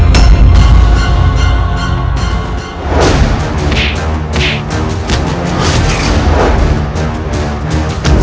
kau akan menang